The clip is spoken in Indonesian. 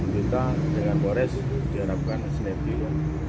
kita dengan kores diharapkan senepil